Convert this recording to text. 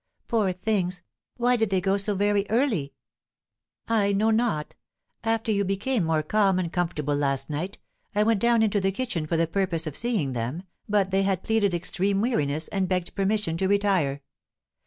"Poor things! why did they go so very early?" "I know not. After you became more calm and comfortable last night, I went down into the kitchen for the purpose of seeing them, but they had pleaded extreme weariness, and begged permission to retire.